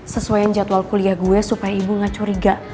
sesuaiin jadwal kuliah gua supaya ibu gak curiga